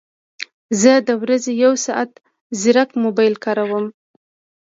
زه د ورځې یو ساعت ځیرک موبایل کاروم